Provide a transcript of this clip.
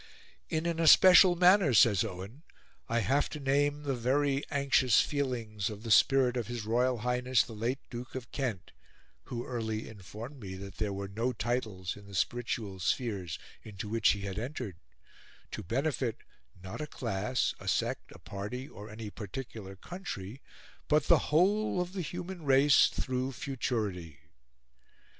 "In an especial manner," says Owen, "I have to name the very anxious feelings of the spirit of his Royal Highness the Late Duke of Kent (who early informed me that there were no titles in the spititual spheres into which he had entered), to benefit, not a class, a sect, a party, or any particular country, but the whole of the human race, through futurity."